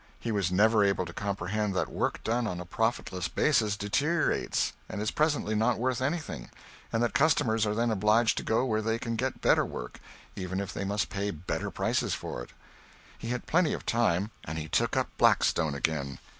He was never able to comprehend that work done on a profitless basis deteriorates and is presently not worth anything, and that customers are then obliged to go where they can get better work, even if they must pay better prices for it. He had plenty of time, and he took up Blackstone again.